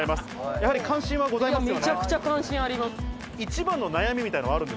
やはり関心はございますよね？